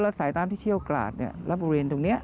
และสายตามที่เชี่ยวกราศและบุเรนต์ตรงนี้